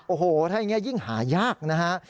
โอ้โหถ้าอย่างนี้ยิ่งหายากนะฮะ